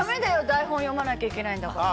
台本読まなきゃいけないんだから。